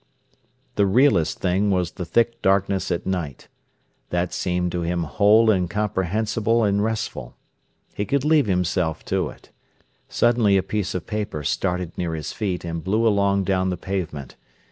The realest thing was the thick darkness at night. That seemed to him whole and comprehensible and restful. He could leave himself to it. Suddenly a piece of paper started near his feet and blew along down the pavement.